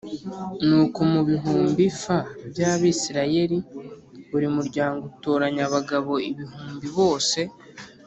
Nuko mu bihumbi f by abisirayeli buri muryango utoranya abagabo igihumbi bose